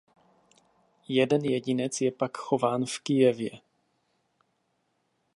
Jeden jedinec je pak chován v Kyjevě.